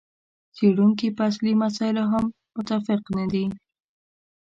څېړونکي په اصلي مسایلو هم متفق نه دي.